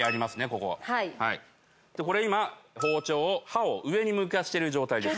ここはいこれ今包丁を刃を上に向かしてる状態です